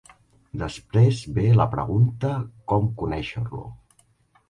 Després ve la pregunta com conèixer-lo.